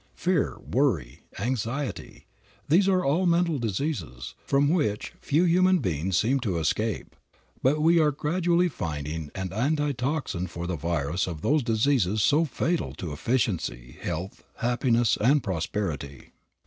Fear, worry, anxiety, these are all mental diseases, from which few human beings seem to escape. But we are gradually finding an antitoxin for the virus of those diseases so fatal to efficiency, health, happiness and prosperity.